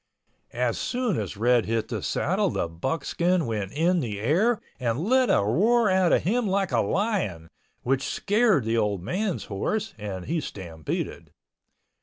As soon as Red hit the saddle the buckskin went in the air and let a roar out of him like a lion, which scared the old man's horse and he stampeded.